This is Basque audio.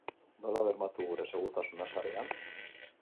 Nola bermatu gure segurtasuna sarean?